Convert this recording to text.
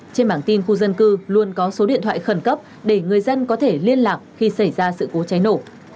trên mảng tin khu dân cư luôn có số điện thoại khẩn cấp để người dân có thể liên lạc khi xảy ra sự cố cháy nổ